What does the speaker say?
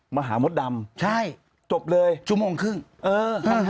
มาหามดดำจบเลยชั่วโมงครึ่งนะ